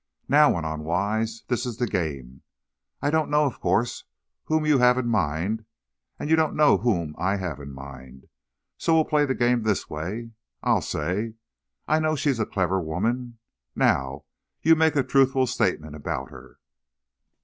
"Now," went on Wise, "this is the game. I don't know, of course, whom you have in mind, and you don't know whom I have in mind, so we'll play the game this way: I'll say, 'I know she is a clever woman.' Now you make a truthful statement about her."